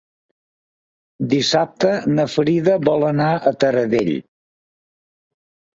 Dissabte na Frida vol anar a Taradell.